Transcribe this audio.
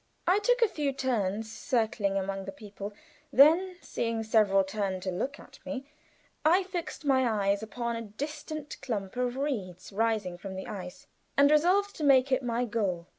I took a few turns, circling among the people then, seeing several turn to look at me, I fixed my eyes upon a distant clump of reeds rising from the ice, and resolved to make it my goal.